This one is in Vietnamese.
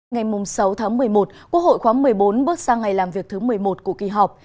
ngày sáu tháng một mươi một quốc hội khóa một mươi bốn bước sang ngày làm việc thứ một mươi một của kỳ họp